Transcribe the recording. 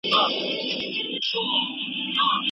که ماشوم لوبې ونه کړي، نو وده به یې کمه شي.